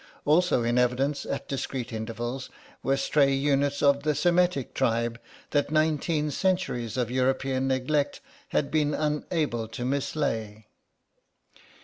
Also in evidence, at discreet intervals, were stray units of the Semetic tribe that nineteen centuries of European neglect had been unable to mislay.